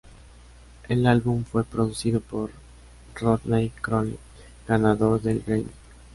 El álbum fue producido por Rodney Crowell, ganador del Grammy.